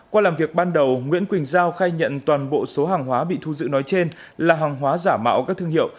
qua làm việc ban đầu nguyễn quỳnh giao khai nhận toàn bộ số hàng hóa bị thu giữ nói trên là hàng hóa giả mạo các thương hiệu